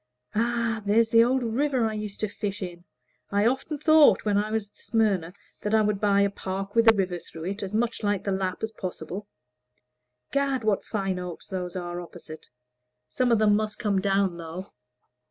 Ah, there's the old river I used to fish in. I often thought, when I was at Smyrna, that I would buy a park with a river through it as much like the Lapp as possible. Gad, what fine oaks those are opposite! Some of them must come down, though."